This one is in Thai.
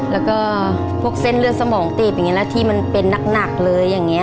แล้วก็พวกเส้นเลือดสมองตรีบที่มันเป็นนักเลยอย่างนี้